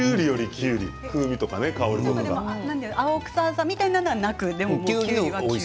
青臭さみたいなものはなくて。